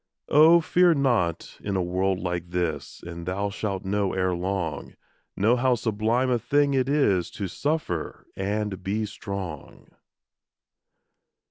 Oh, fear not in a world like this, And thou shalt know ere long, Know how sublime a thing it is To suffer and be strong.